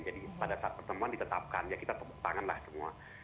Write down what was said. jadi pada saat pertemuan ditetapkan ya kita tanganlah semua